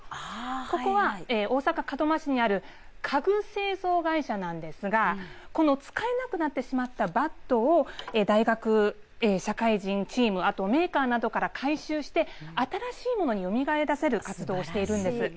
ここは大阪・門真市にある家具製造会社なんですがこの使えなくなってしまったバットを大学、社会人チームあとメーカーなどから回収して新しいものによみがえらせる活動をしているんです。